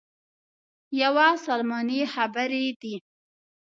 یوه سلماني خبرې دي.